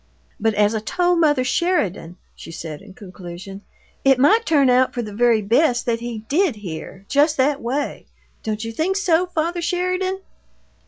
"But as I told mother Sheridan," she said, in conclusion, "it might turn out for the very best that he did hear just that way. Don't you think so, father Sheridan?"